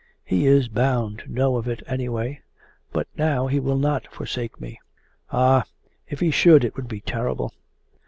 'He is bound to know of it anyway. But now he will not forsake me. Ah, if he should, it would be terrible!